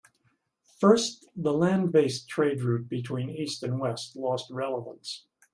First, the land based trade route between east and west lost relevance.